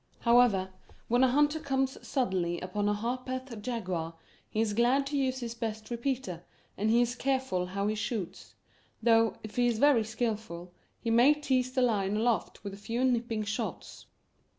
However, when a hunter comes suddenly upon a Harpeth jaguar he is glad to use his best repeater and he is careful how he shoots, though if he is very skillful he may tease the lion aloft with a few nipping shots.